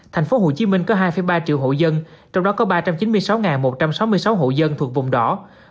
thành phố hồ chí minh có hai ba triệu hộ dân trong đó có ba trăm chín mươi sáu một trăm sáu mươi sáu hộ dân thuộc vùng đỏ